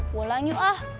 pulang yuk ah